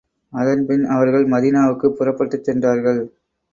அதன் பின் அவர்கள் மதீனாவுக்குப் புறப்பட்டுச் சென்றார்கள்.